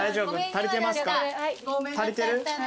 足りてる？